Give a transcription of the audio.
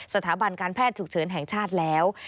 สถาบันการแพทย์ฉุกเฉินแห่งชาติแล้ว